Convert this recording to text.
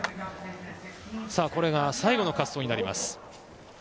これが最後の滑走になります。